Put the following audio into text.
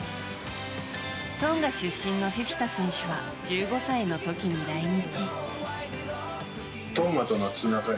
トンガ出身のフィフィタ選手は１５歳の時に来日。